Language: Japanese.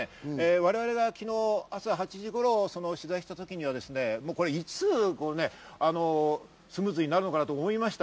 我々が昨日朝８時頃に取材した時には、これいつスムーズになるのかな？と思いました。